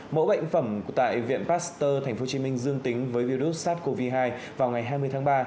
mẫu bệnh phẩm tại viện pasteur thành phố hồ chí minh dương tính với virus sars cov hai vào ngày hai mươi tháng ba